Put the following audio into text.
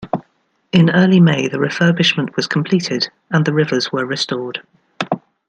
In early May, the refurbishment was completed, and the rivers were restored.